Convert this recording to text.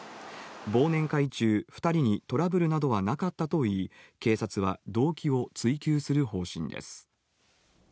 忘年会中、２人にトラブルなどはなかったといい、警察は動機を追及する方針です。